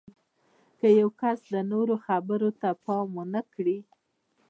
که یو کس د نورو خبرو ته پام ونه کړي